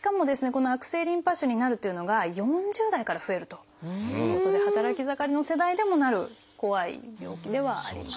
この悪性リンパ腫になるというのが４０代から増えるということで働き盛りの世代でもなる怖い病気ではあります。